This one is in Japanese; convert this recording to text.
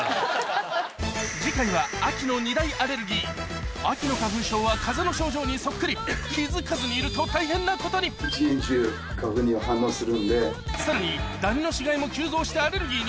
次回は秋の花粉症は風邪の症状にそっくり気付かずにいると大変なことにさらにダニの死骸も急増してアレルギーに！